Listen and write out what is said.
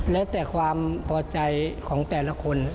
แล้วแต่ความพอใจของแต่ละคน